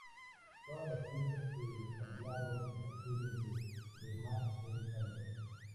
Todas las piezas se ensamblaron en la sede de Rimac en Zagreb.